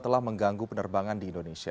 telah mengganggu penerbangan di indonesia